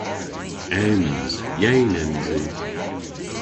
Ens! Yeyn ens i.